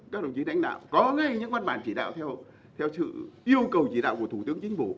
các đồng chí đánh đạo có ngay những văn bản chỉ đạo theo sự yêu cầu chỉ đạo của thủ tướng chính phủ